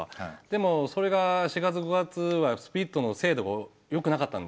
でそれが４月５月はスプリットの精度がよくなかったんですよ。